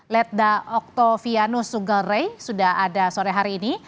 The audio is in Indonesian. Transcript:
ledda oktavianus sugare sudah ada sore hari ini